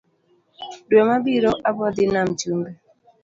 Dwe mabiro abodhii nam chumbi